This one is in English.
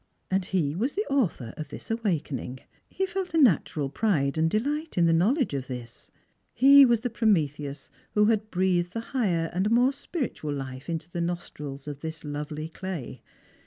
And he was the author of this awakening. He felt a natural pride and dehght in the knowledge of this. He was the Pro iiietheus who had l^reathed the higher and more spiritual life into the nostrils of this lovely clay.